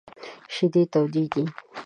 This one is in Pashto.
شیدې تودې دي !